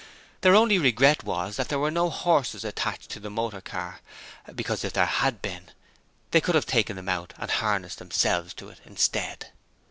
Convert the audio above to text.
Their only regret was that there were no horses attached to the motor car, because if there had been, they could have taken them out and harnessed themselves to it instead.